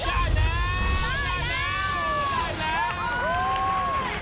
ได้แล้วได้แล้ว